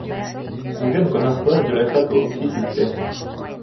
Үҙен гонаһлы Зөләйха кеүек хис итте.